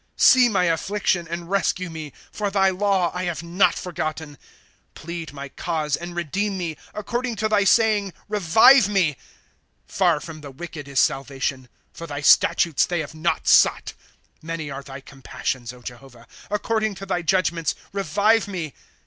' See my affliction, and rescue me ; For thy law I have not forgotten. ' Plead my cause and redeem me ; According to thy saying revive me. ' Par from the wicked is salvation ; For thy statutes they have not sought. ' Many are thy compassions, Jehovah ; According to thy judgments revive me.